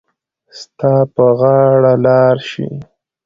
ستا به په غاړه لار شي.